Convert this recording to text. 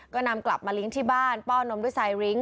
ก็นำกลับมาเลี้ยงที่บ้านป้อนมด้วยไซริ้ง